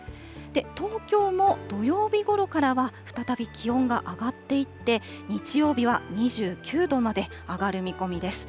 東京も土曜日ごろからは、再び気温が上がっていって、日曜日は２９度まで上がる見込みです。